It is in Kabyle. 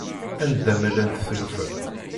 Anda ma llant tlufa.